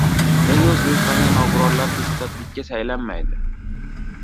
Nega O‘zbekistonda nogironlar deputatlikka saylanmaydi?